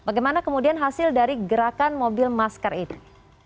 bagaimana kemudian hasil dari gerakan mobil masker ini